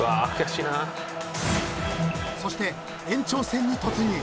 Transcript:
［そして延長戦に突入］